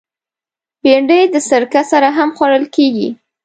بېنډۍ د سرکه سره هم خوړل کېږي